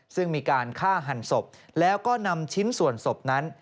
ซึ่งมีการฆ่าหันศพแล้วก็นำชิ้นส่วนศพนั้น